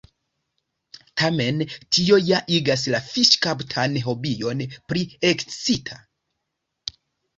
Tamen tio ja igas la fiŝkaptan hobion pli ekscita!